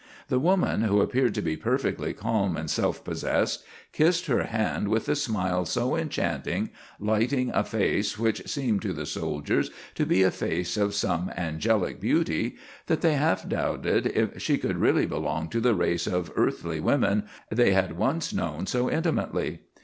The woman, who appeared to be perfectly calm and self possessed, kissed her hand with a smile so enchanting, lighting a face which seemed to the soldiers to be a face of such angelic beauty, that they half doubted if she could really belong to the race of earthly women they had once known so intimately.